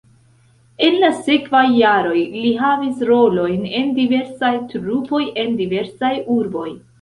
En la sekvaj jaroj li havis rolojn en diversaj trupoj en diversaj urboj.